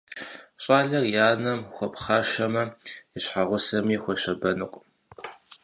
Щӏалэр и анэм хуэпхъашэмэ, и щхьэгъусэми хуэщабэнукъым.